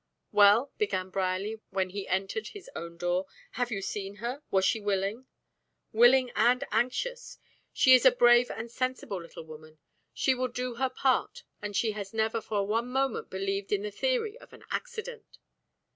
"Well," began Brierly, when he entered his own door. "Have you seen her? Was she willing?" "Willing and anxious. She is a brave and sensible little woman. She will do her part, and she has never for one moment believed in the theory of an accident."